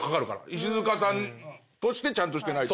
石塚さんとしてちゃんとしてないと。